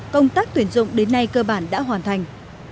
công tác tuyển dụng đến nay cơ bản đã hoàn thành